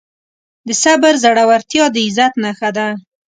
د صبر زړورتیا د عزت نښه ده.